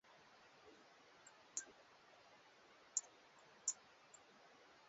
Vifo vinaweza kuwa kati ya asilimia thelathini hadi hamsini katika wanyama wakubwa